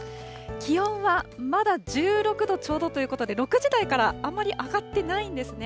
気温はまだ１６度ちょうどということで、６時台からあんまり上がってないんですね。